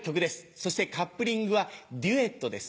そしてカップリングはデュエットです。